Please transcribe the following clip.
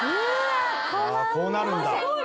あこうなるんだ。